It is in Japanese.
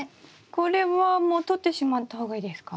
これはもう取ってしまった方がいいですか？